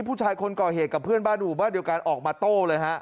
ผู้ชายคนก่อเหตุกับเพื่อนบ้านหมู่บ้านเดียวกันออกมาโต้เลยฮะ